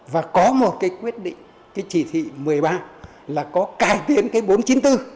và có một cái quyết định cái chỉ thị một mươi ba là có cải tiến cái bốn trăm chín mươi bốn